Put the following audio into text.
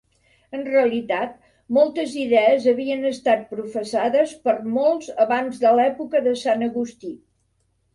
En realitat, moltes idees havien estat professades per molts abans de l'època de Sant Agustí.